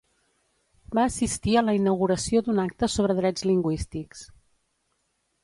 Va assistir a la inauguració d'un acte sobre drets lingüístics.